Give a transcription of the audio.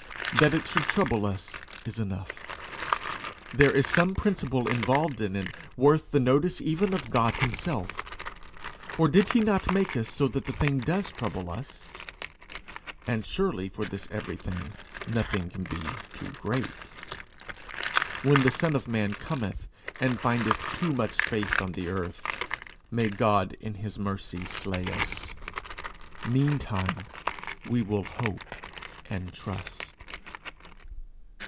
That it should trouble us is enough. There is some principle involved in it worth the notice even of God himself, for did he not make us so that the thing does trouble us? And surely for this everything, nothing can be too great. When the Son of man cometh and findeth too much faith on the earth may God in his mercy slay us. Meantime, we will hope and trust.